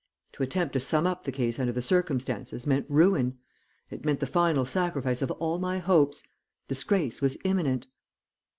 To attempt to sum up the case under the circumstances meant ruin it meant the final sacrifice of all my hopes; disgrace was imminent.